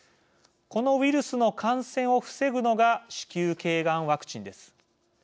このウイルスの感染を防ぐのが子宮けいがんワクチンです。